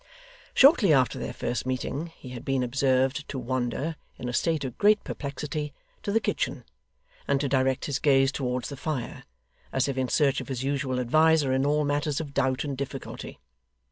Shortly after their first meeting, he had been observed to wander, in a state of great perplexity, to the kitchen, and to direct his gaze towards the fire, as if in search of his usual adviser in all matters of doubt and difficulty.